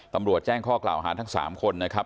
ตำรวจแจ้งข้อกล่าวหาทั้ง๓คนนะครับ